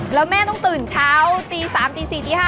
แล้วแม่ต้องตื่นเช้าตี๓ตี๔ตี๕